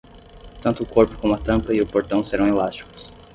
Tanto o corpo como a tampa e o portão serão elásticos.